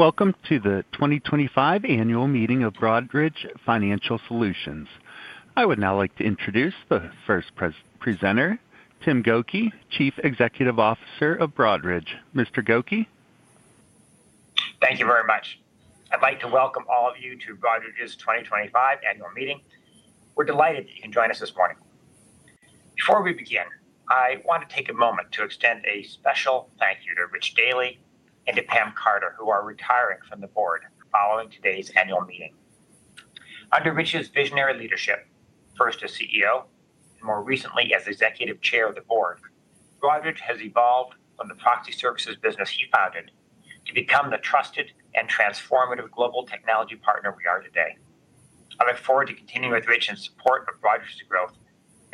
Welcome to the 2025 Annual Meeting of Broadridge Financial Solutions. I would now like to introduce the first presenter, Tim Gokey, Chief Executive Officer of Broadridge. Mr. Gokey? Thank you very much. I'd like to welcome all of you to Broadridge's 2025 Annual Meeting. We're delighted that you can join us this morning. Before we begin, I want to take a moment to extend a special thank you to Rich Daley and to Pam Carter, who are retiring from the board following today's annual meeting. Under Rich's visionary leadership, first as CEO and more recently as Executive Chair of the board, Broadridge has evolved from the proxy services business he founded to become the trusted and transformative global technology partner we are today. I look forward to continuing with Rich's support of Broadridge's growth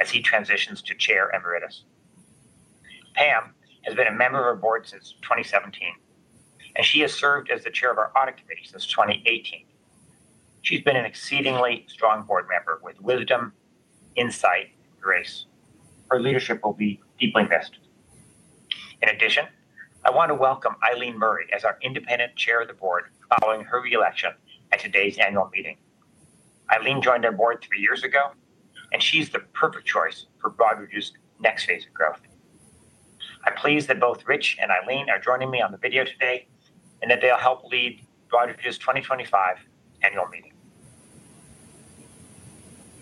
as he transitions to Chair Emeritus. Pam has been a member of our board since 2017, and she has served as the Chair of our Audit Committee since 2018. She's been an exceedingly strong board member with wisdom, insight, and grace. Her leadership will be deeply missed. In addition, I want to welcome Eileen Murray as our independent Chair of the Board following her reelection at today's annual meeting. Eileen joined our board three years ago, and she's the perfect choice for Broadridge's next phase of growth. I'm pleased that both Rich and Eileen are joining me on the video today and that they'll help lead Broadridge's 2025 Annual Meeting.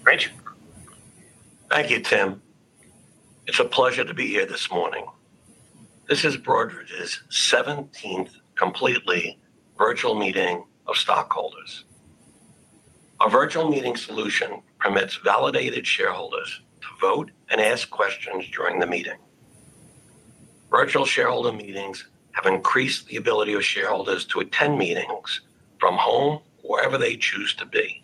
Rich? Thank you, Tim. It's a pleasure to be here this morning. This is Broadridge's 17th completely virtual meeting of stockholders. Our virtual meeting solution permits validated shareholders to vote and ask questions during the meeting. Virtual shareholder meetings have increased the ability of shareholders to attend meetings from home, wherever they choose to be.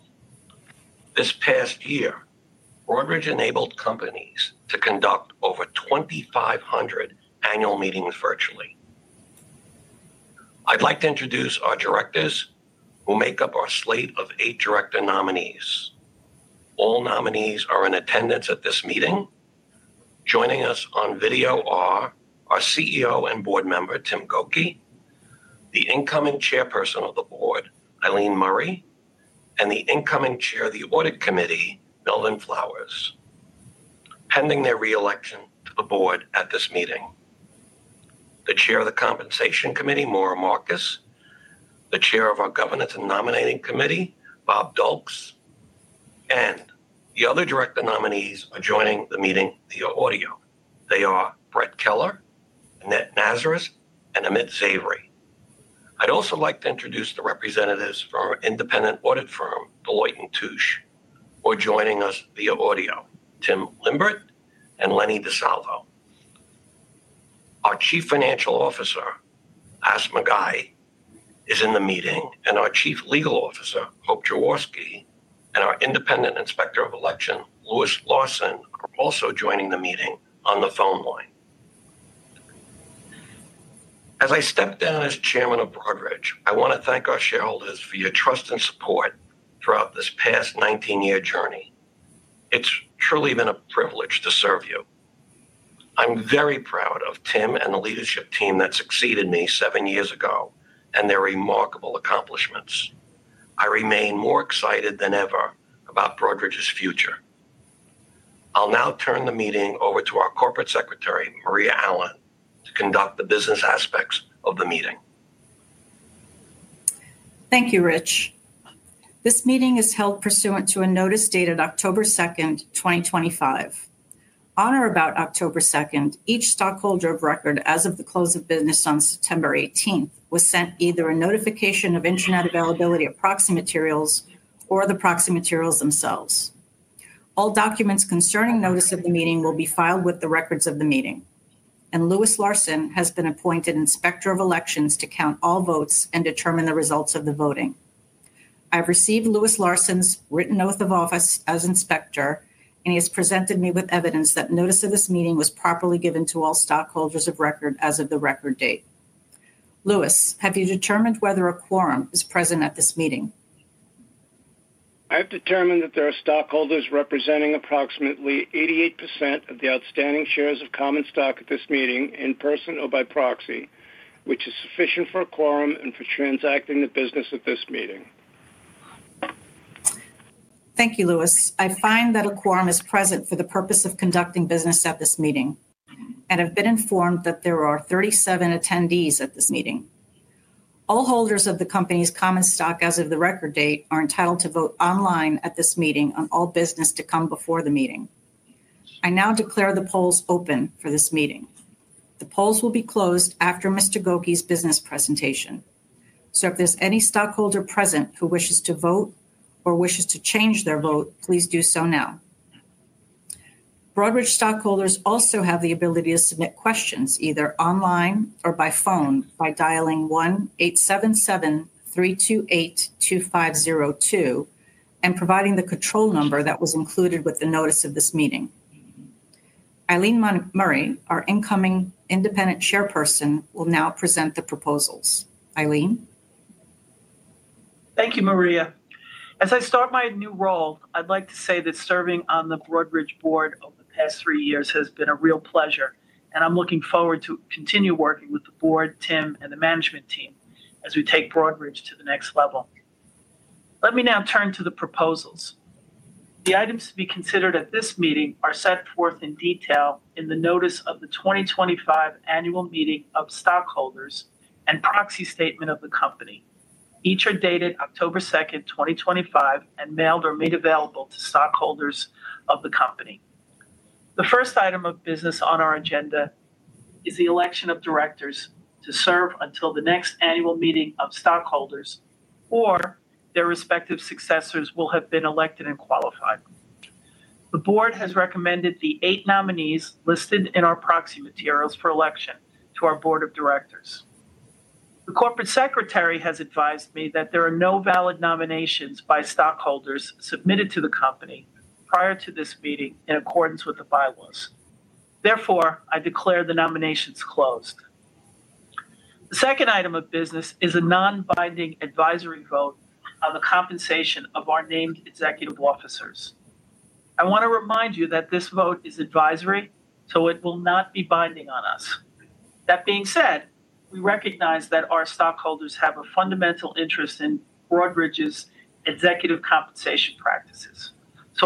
This past year, Broadridge enabled companies to conduct over 2,500 annual meetings virtually. I'd like to introduce our directors, who make up our slate of eight director nominees. All nominees are in attendance at this meeting. Joining us on video are our CEO and board member, Tim Gokey, the incoming Chairperson of the board, Eileen Murray, and the incoming Chair of the Audit Committee, Melvin Flowers, pending their reelection to the board at this meeting. The Chair of the Compensation Committee, Maura Marcus, the Chair of our Governance and Nominating Committee, Bob Dulks, and the other director nominees are joining the meeting via audio. They are Brett Keller, Annette Nazareth, and Amit Zaveri. I'd also like to introduce the representatives from our independent audit firm, Deloitte & Touche, who are joining us via audio, Tim Limbert and Lenny DeSalvo. Our Chief Financial Officer, Ashima Ghei, is in the meeting, and our Chief Legal Officer, Hope Jaworski, and our Independent Inspector of Elections, Louis Larson, are also joining the meeting on the phone line. As I step down as Chairman of Broadridge, I want to thank our shareholders for your trust and support throughout this past 19-year journey. It's truly been a privilege to serve you. I'm very proud of Tim and the leadership team that succeeded me seven years ago and their remarkable accomplishments. I remain more excited than ever about Broadridge's future. I'll now turn the meeting over to our Corporate Secretary, Maria Allen, to conduct the business aspects of the meeting. Thank you, Rich. This meeting is held pursuant to a notice dated October 2nd, 2025. On or about October 2nd, each stockholder of record, as of the close of business on September 18th, was sent either a notification of internet availability of proxy materials or the proxy materials themselves. All documents concerning notice of the meeting will be filed with the records of the meeting, and Louis Larson has been appointed Inspector of Elections to count all votes and determine the results of the voting. I've received Louis Larson's written oath of office as Inspector, and he has presented me with evidence that notice of this meeting was properly given to all stockholders of record as of the record date. Louis, have you determined whether a quorum is present at this meeting? I have determined that there are stockholders representing approximately 88% of the outstanding shares of common stock at this meeting in person or by proxy, which is sufficient for a quorum and for transacting the business at this meeting. Thank you, Louis. I find that a quorum is present for the purpose of conducting business at this meeting, and I've been informed that there are 37 attendees at this meeting. All holders of the company's common stock as of the record date are entitled to vote online at this meeting on all business to come before the meeting. I now declare the polls open for this meeting. The polls will be closed after Mr. Gokey's business presentation. If there's any stockholder present who wishes to vote or wishes to change their vote, please do so now. Broadridge stockholders also have the ability to submit questions either online or by phone by dialing 1-877-328-2502 and providing the control number that was included with the notice of this meeting. Eileen Murray, our incoming independent Chairperson, will now present the proposals. Eileen? Thank you, Maria. As I start my new role, I'd like to say that serving on the Broadridge board over the past three years has been a real pleasure, and I'm looking forward to continuing working with the board, Tim, and the management team as we take Broadridge to the next level. Let me now turn to the proposals. The items to be considered at this meeting are set forth in detail in the notice of the 2025 Annual Meeting of Stockholders and proxy statement of the company. Each are dated October 2, 2025, and mailed or made available to stockholders of the company. The first item of business on our agenda is the election of directors to serve until the next annual meeting of stockholders or their respective successors will have been elected and qualified. The board has recommended the eight nominees listed in our proxy materials for election to our Board of Directors. The Corporate Secretary has advised me that there are no valid nominations by stockholders submitted to the company prior to this meeting in accordance with the bylaws. Therefore, I declare the nominations closed. The second item of business is a non-binding advisory vote on the compensation of our named executive officers. I want to remind you that this vote is advisory, so it will not be binding on us. That being said, we recognize that our stockholders have a fundamental interest in Broadridge's executive compensation practices.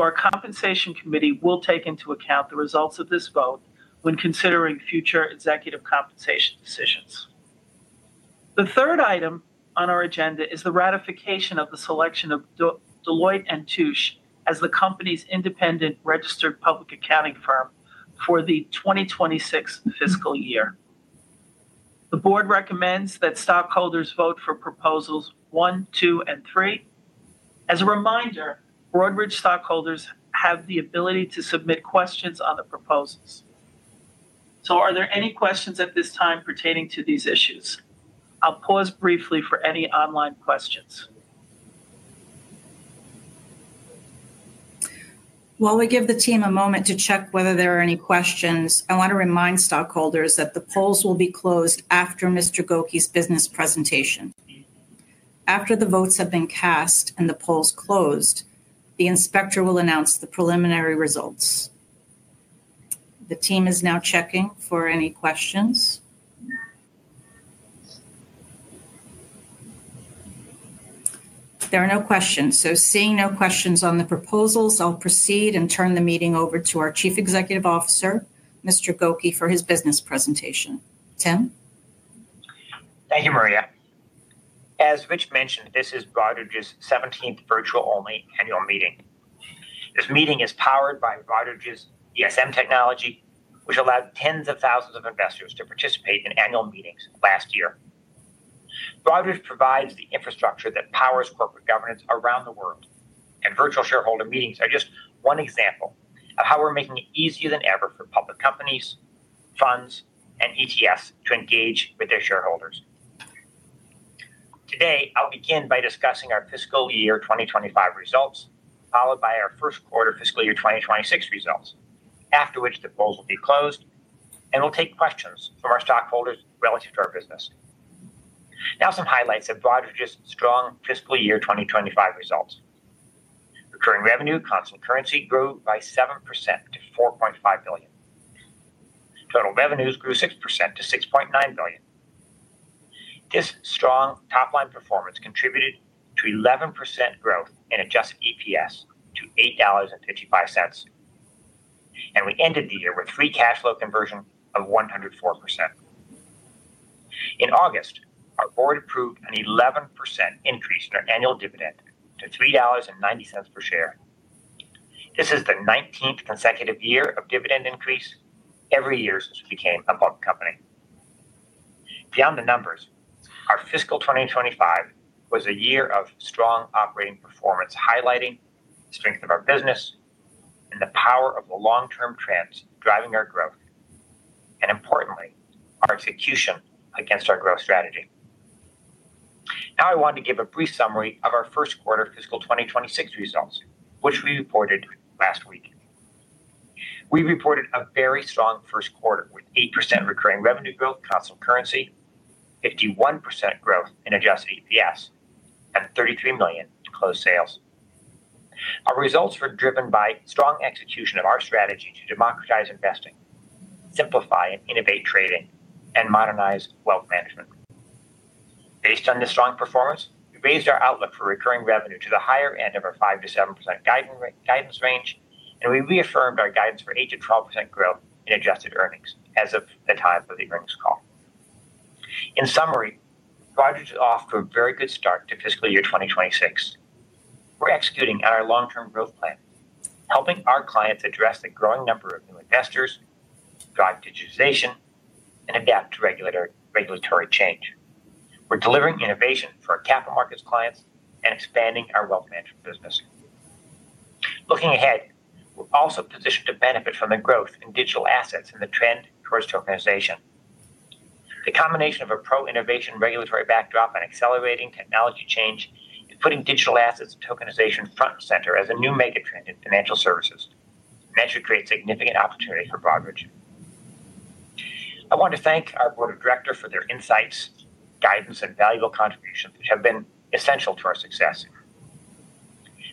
Our Compensation Committee will take into account the results of this vote when considering future executive compensation decisions. The third item on our agenda is the ratification of the selection of Deloitte & Touche as the company's independent registered public accounting firm for the 2026 fiscal year. The board recommends that stockholders vote for proposals one, two, and three. As a reminder, Broadridge stockholders have the ability to submit questions on the proposals. Are there any questions at this time pertaining to these issues? I'll pause briefly for any online questions. While we give the team a moment to check whether there are any questions, I want to remind stockholders that the polls will be closed after Mr. Gokey's business presentation. After the votes have been cast and the polls closed, the Inspector will announce the preliminary results. The team is now checking for any questions. There are no questions. Seeing no questions on the proposals, I'll proceed and turn the meeting over to our Chief Executive Officer, Mr. Gokey, for his business presentation. Tim? Thank you, Maria. As Rich mentioned, this is Broadridge's 17th virtual-only annual meeting. This meeting is powered by Broadridge's DSM technology, which allowed tens of thousands of investors to participate in annual meetings last year. Broadridge provides the infrastructure that powers corporate governance around the world, and virtual shareholder meetings are just one example of how we're making it easier than ever for public companies, funds, and ETFs to engage with their shareholders. Today, I'll begin by discussing our fiscal year 2025 results, followed by our first quarter fiscal year 2026 results, after which the polls will be closed, and we'll take questions from our stockholders relative to our business. Now, some highlights of Broadridge's strong fiscal year 2025 results. Recurring revenue, constant currency, grew by 7% to $4.5 billion. Total revenues grew 6% to $6.9 billion. This strong top-line performance contributed to 11% growth in adjusted EPS to $8.55, and we ended the year with free cash flow conversion of 104%. In August, our board approved an 11% increase in our annual dividend to $3.90 per share. This is the 19th consecutive year of dividend increase every year since we became a public company. Beyond the numbers, our fiscal 2025 was a year of strong operating performance highlighting the strength of our business and the power of the long-term trends driving our growth, and importantly, our execution against our growth strategy. Now, I want to give a brief summary of our first quarter fiscal 2026 results, which we reported last week. We reported a very strong first quarter with 8% recurring revenue growth, constant currency, 51% growth in adjusted EPS, and $33 million in closed sales. Our results were driven by strong execution of our strategy to democratize investing, simplify and innovate trading, and modernize wealth management. Based on this strong performance, we raised our outlook for recurring revenue to the higher end of our 5%-7% guidance range, and we reaffirmed our guidance for 8%-12% growth in adjusted earnings as of the time of the earnings call. In summary, Broadridge is off to a very good start to fiscal year 2026. We're executing on our long-term growth plan, helping our clients address the growing number of new investors, drive digitization, and adapt to regulatory change. We're delivering innovation for our capital markets clients and expanding our wealth management business. Looking ahead, we're also positioned to benefit from the growth in digital assets and the trend towards tokenization. The combination of a pro-innovation regulatory backdrop and accelerating technology change is putting digital assets and tokenization front and center as a new mega-trend in financial services, which will create significant opportunity for Broadridge. I want to thank our Board of Directors for their insights, guidance, and valuable contributions, which have been essential to our success.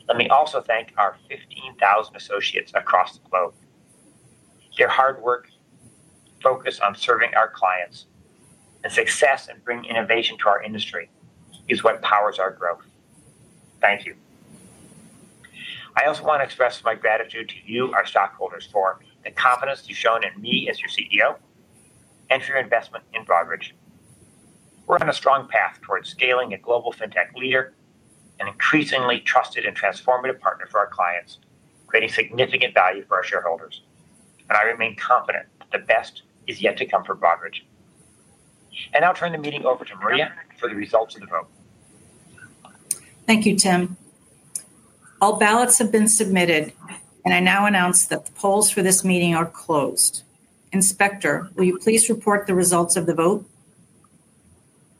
Let me also thank our 15,000 associates across the globe. Their hard work, focus on serving our clients, and success in bringing innovation to our industry is what powers our growth. Thank you. I also want to express my gratitude to you, our stockholders, for the confidence you've shown in me as your CEO and for your investment in Broadridge. We're on a strong path towards scaling a global fintech leader, an increasingly trusted and transformative partner for our clients, creating significant value for our shareholders. I remain confident that the best is yet to come for Broadridge. I'll turn the meeting over to Maria for the results of the vote. Thank you, Tim. All ballots have been submitted, and I now announce that the polls for this meeting are closed. Inspector, will you please report the results of the vote?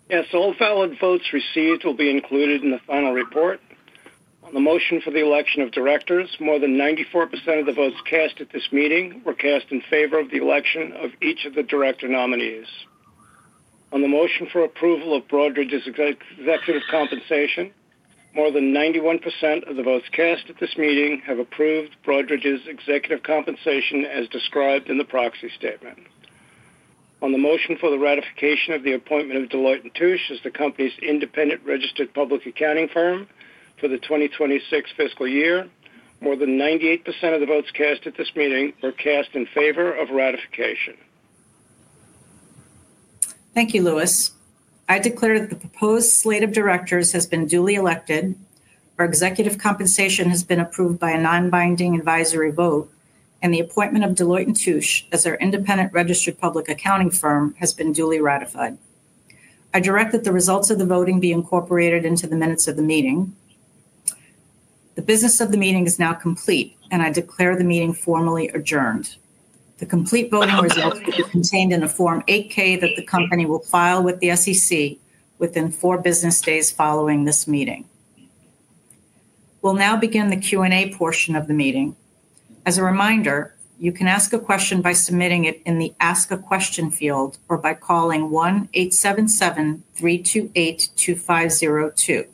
Yes. All valid votes received will be included in the final report. On the motion for the election of directors, more than 94% of the votes cast at this meeting were cast in favor of the election of each of the director nominees. On the motion for approval of Broadridge's executive compensation, more than 91% of the votes cast at this meeting have approved Broadridge's executive compensation as described in the proxy statement. On the motion for the ratification of the appointment of Deloitte & Touche as the company's independent registered public accounting firm for the 2026 fiscal year, more than 98% of the votes cast at this meeting were cast in favor of ratification. Thank you, Louis. I declare that the proposed slate of directors has been duly elected, our executive compensation has been approved by a non-binding advisory vote, and the appointment of Deloitte & Touche as our independent registered public accounting firm has been duly ratified. I direct that the results of the voting be incorporated into the minutes of the meeting. The business of the meeting is now complete, and I declare the meeting formally adjourned. The complete voting results will be contained in a Form 8-K that the company will file with the SEC within four business days following this meeting. We'll now begin the Q&A portion of the meeting. As a reminder, you can ask a question by submitting it in the Ask a Question field or by calling 1-877-328-2502.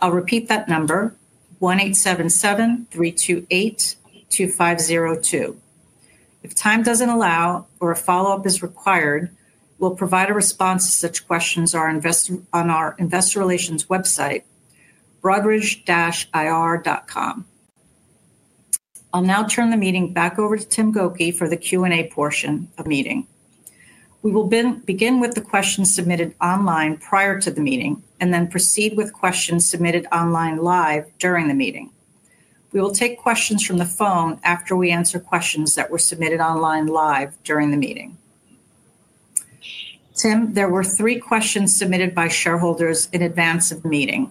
I'll repeat that number, 1-877-328-2502. If time does not allow or a follow-up is required, we will provide a response to such questions on our Investor Relations website, broadridge-ir.com. I will now turn the meeting back over to Tim Gokey for the Q&A portion of the meeting. We will begin with the questions submitted online prior to the meeting and then proceed with questions submitted online live during the meeting. We will take questions from the phone after we answer questions that were submitted online live during the meeting. Tim, there were three questions submitted by shareholders in advance of the meeting.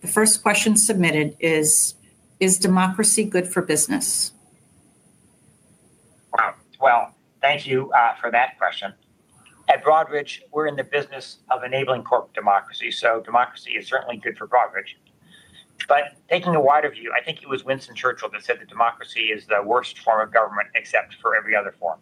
The first question submitted is, "Is democracy good for business? Wow. Thank you for that question. At Broadridge, we're in the business of enabling corporate democracy. Democracy is certainly good for Broadridge. Taking a wider view, I think it was Winston Churchill that said that democracy is the worst form of government except for every other form.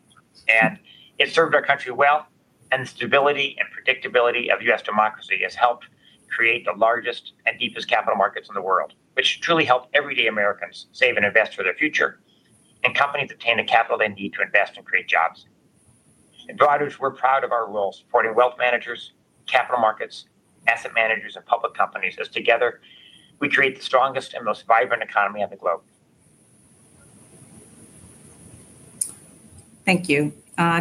It served our country well, and the stability and predictability of U.S. democracy has helped create the largest and deepest capital markets in the world, which truly helped everyday Americans save and invest for their future, and companies obtain the capital they need to invest and create jobs. At Broadridge, we're proud of our role supporting wealth managers, capital markets, asset managers, and public companies as together we create the strongest and most vibrant economy on the globe. Thank you.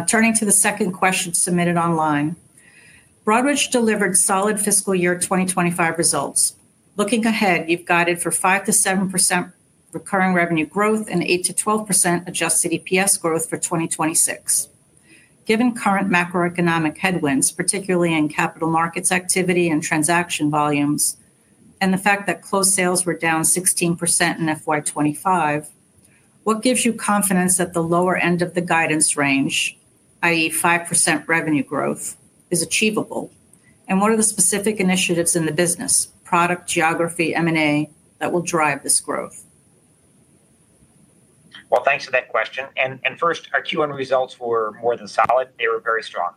Turning to the second question submitted online, Broadridge delivered solid fiscal year 2025 results. Looking ahead, you have guided for 5%-7% recurring revenue growth and 8%-12% adjusted EPS growth for 2026. Given current macroeconomic headwinds, particularly in capital markets activity and transaction volumes, and the fact that closed sales were down 16% in FY 2025, what gives you confidence that the lower end of the guidance range, i.e., 5% revenue growth, is achievable? What are the specific initiatives in the business, product, geography, M&A that will drive this growth? Thanks for that question. First, our Q&A results were more than solid. They were very strong.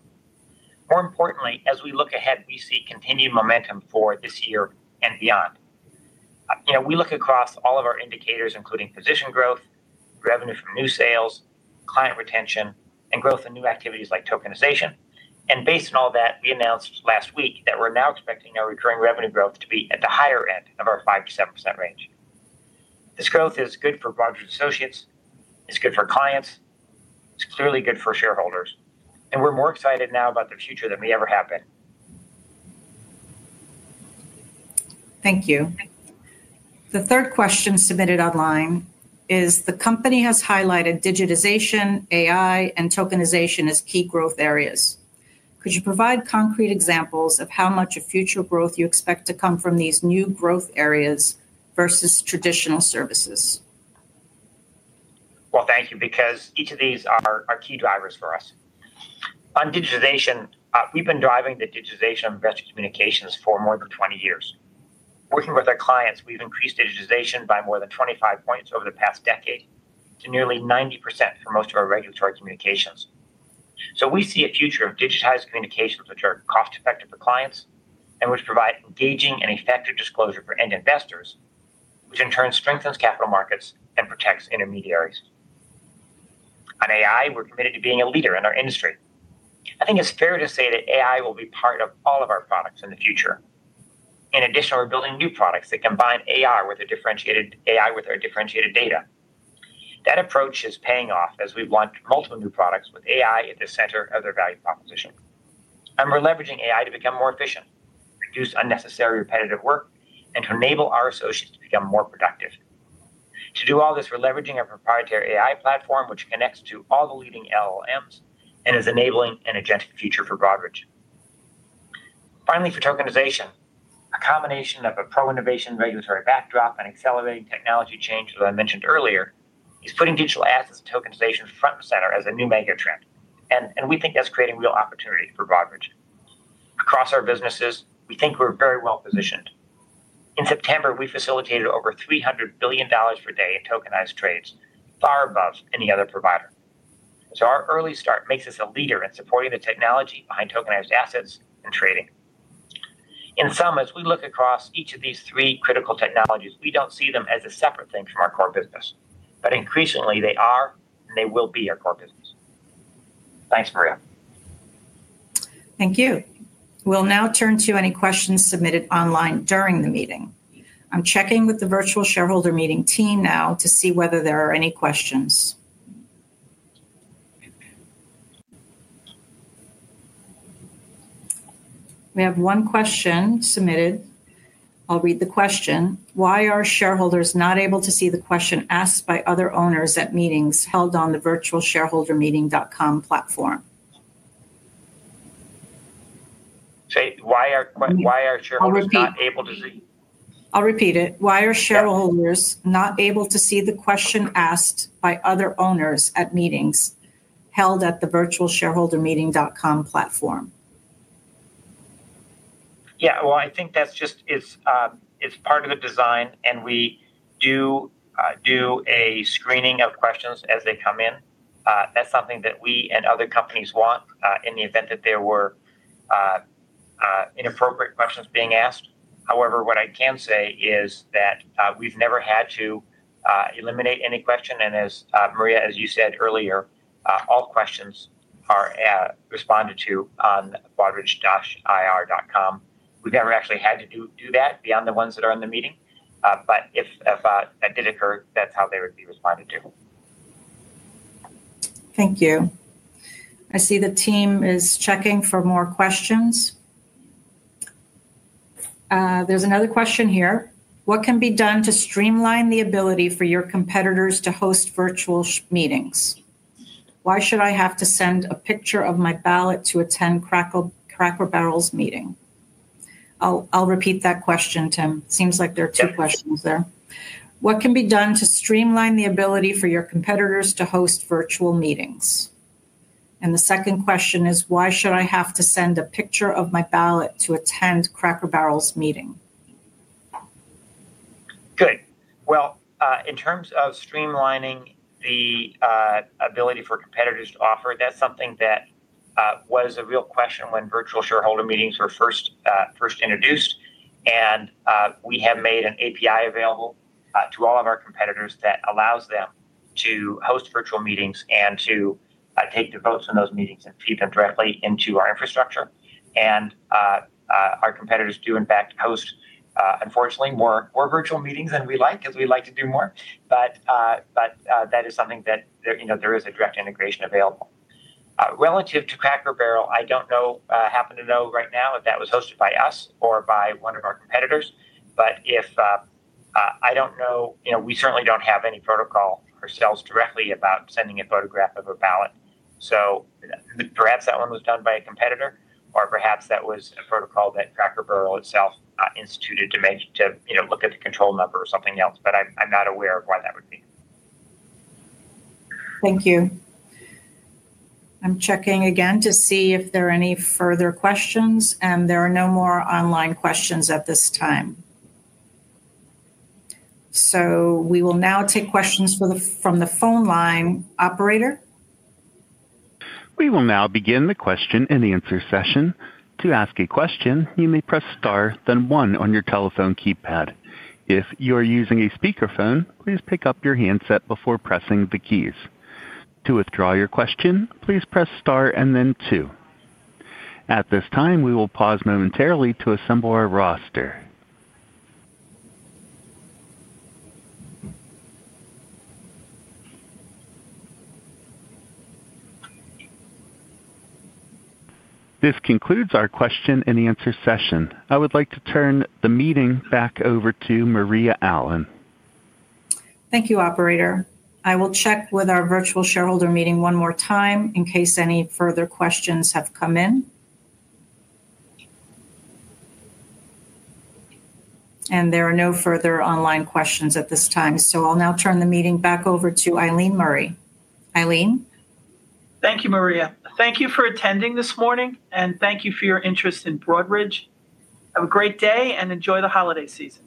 More importantly, as we look ahead, we see continued momentum for this year and beyond. We look across all of our indicators, including position growth, revenue from new sales, client retention, and growth in new activities like tokenization. Based on all that, we announced last week that we're now expecting our recurring revenue growth to be at the higher end of our 5%-7% range. This growth is good for Broadridge associates. It's good for clients. It's clearly good for shareholders. We're more excited now about the future than we ever have been. Thank you. The third question submitted online is, "The company has highlighted digitization, AI, and tokenization as key growth areas. Could you provide concrete examples of how much of future growth you expect to come from these new growth areas versus traditional services? Thank you, because each of these are key drivers for us. On digitization, we've been driving the digitization of investor communications for more than 20 years. Working with our clients, we've increased digitization by more than 25 percentage points over the past decade to nearly 90% for most of our regulatory communications. We see a future of digitized communications, which are cost-effective for clients and which provide engaging and effective disclosure for end investors, which in turn strengthens capital markets and protects intermediaries. On AI, we're committed to being a leader in our industry. I think it's fair to say that AI will be part of all of our products in the future. In addition, we're building new products that combine AI with our differentiated data. That approach is paying off as we launch multiple new products with AI at the center of their value proposition. We're leveraging AI to become more efficient, reduce unnecessary repetitive work, and to enable our associates to become more productive. To do all this, we're leveraging our proprietary AI platform, which connects to all the leading LLMs and is enabling an agentic future for Broadridge. Finally, for tokenization, a combination of a pro-innovation regulatory backdrop and accelerating technology change, as I mentioned earlier, is putting digital assets and tokenization front and center as a new mega-trend. We think that's creating real opportunity for Broadridge. Across our businesses, we think we're very well positioned. In September, we facilitated over $300 billion per day in tokenized trades, far above any other provider. Our early start makes us a leader in supporting the technology behind tokenized assets and trading. In sum, as we look across each of these three critical technologies, we do not see them as a separate thing from our core business, but increasingly, they are and they will be our core business. Thanks, Maria. Thank you. We'll now turn to any questions submitted online during the meeting. I'm checking with the virtual shareholder meeting team now to see whether there are any questions. We have one question submitted. I'll read the question. Why are shareholders not able to see the question asked by other owners at meetings held on the virtualshareholdermeeting.com platform? Why are shareholders not able to see? I'll repeat it. Why are shareholders not able to see the question asked by other owners at meetings held at the virtualshareholdermeeting.com platform? Yeah. I think that's just part of the design, and we do a screening of questions as they come in. That's something that we and other companies want in the event that there were inappropriate questions being asked. However, what I can say is that we've never had to eliminate any question. And as Maria, as you said earlier, all questions are responded to on broadridge.ir.com. We've never actually had to do that beyond the ones that are in the meeting. But if that did occur, that's how they would be responded to. Thank you. I see the team is checking for more questions. There's another question here. What can be done to streamline the ability for your competitors to host virtual meetings? Why should I have to send a picture of my ballot to attend Cracker Barrel's meeting? I'll repeat that question, Tim. Seems like there are two questions there. What can be done to streamline the ability for your competitors to host virtual meetings? The second question is, why should I have to send a picture of my ballot to attend Cracker Barrel's meeting? Good. In terms of streamlining the ability for competitors to offer, that's something that was a real question when virtual shareholder meetings were first introduced. We have made an API available to all of our competitors that allows them to host virtual meetings and to take the votes in those meetings and feed them directly into our infrastructure. Our competitors do, in fact, host, unfortunately, more virtual meetings than we like, as we like to do more. That is something that there is a direct integration available. Relative to Cracker Barrel, I don't happen to know right now if that was hosted by us or by one of our competitors. I don't know. We certainly don't have any protocol ourselves directly about sending a photograph of a ballot. Perhaps that one was done by a competitor, or perhaps that was a protocol that Cracker Barrel itself instituted to look at the control number or something else. I'm not aware of why that would be. Thank you. I'm checking again to see if there are any further questions. There are no more online questions at this time. We will now take questions from the phone line operator. We will now begin the question and answer session. To ask a question, you may press star, then one on your telephone keypad. If you are using a speakerphone, please pick up your handset before pressing the keys. To withdraw your question, please press star and then two. At this time, we will pause momentarily to assemble our roster. This concludes our question and answer session. I would like to turn the meeting back over to Maria Allen. Thank you, operator. I will check with our virtual shareholder meeting one more time in case any further questions have come in. There are no further online questions at this time. I will now turn the meeting back over to Eileen Murray. Eileen? Thank you, Maria. Thank you for attending this morning, and thank you for your interest in Broadridge. Have a great day and enjoy the holiday season.